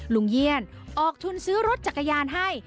เยี่ยนออกทุนซื้อรถจักรยานให้